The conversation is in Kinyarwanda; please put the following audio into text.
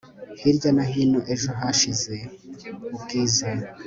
hirya no hino ejo hashize ubwiza